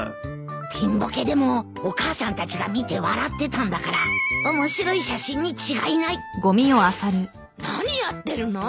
ピンボケでもお母さんたちが見て笑ってたんだから面白い写真に違いない何やってるの！？